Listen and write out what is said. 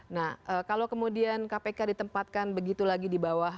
nah kalau kemudian kpk ditempatkan begitu lagi di bawah